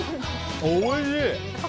おいしい！